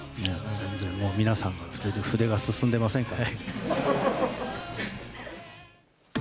全然、皆さんの筆が進んでませんから。